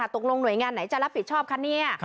หน่วยงานไหนจะรับผิดชอบคะเนี่ย